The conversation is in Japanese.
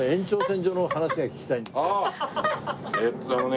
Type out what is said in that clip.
えっとあのね。